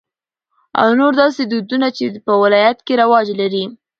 او نور داسې دودنه چې په د ولايت کې رواج لري.